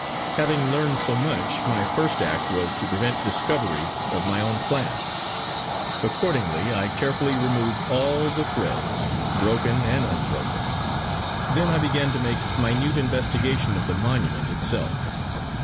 Having learned so much, my first act was to prevent discovery of my own plan. Accordingly I carefully removed all the threads, broken and unbroken. Then I began to make minute investigation of the monument itself.